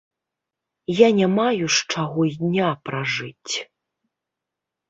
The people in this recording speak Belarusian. Я не маю з чаго і дня пражыць.